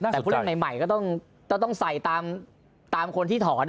ผู้เล่นใหม่ก็ต้องใส่ตามคนที่ถอน